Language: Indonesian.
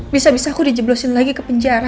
bisa bisa aku dijeblosin lagi ke penjara